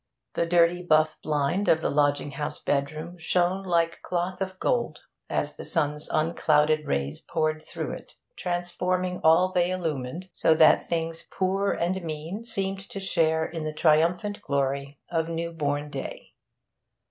The dirty buff blind of the lodging house bedroom shone like cloth of gold as the sun's unclouded rays poured through it, transforming all they illumined, so that things poor and mean seemed to share in the triumphant glory of new born day.